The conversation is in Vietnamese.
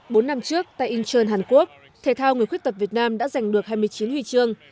bốn năm trước tại incheon hàn quốc thể thao người khuyết tật việt nam đã giành được hai mươi chín huy chương